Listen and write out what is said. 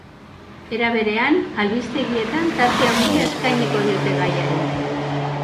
Era berean, albistegietan tarte handia eskainiko diote gaiari.